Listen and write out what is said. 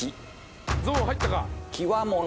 ゾーン入ったか？